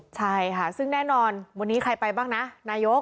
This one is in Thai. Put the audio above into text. ใช่ค่ะซึ่งแน่นอนวันนี้ใครไปบ้างนะนายก